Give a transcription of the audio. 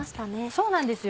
そうなんですよ。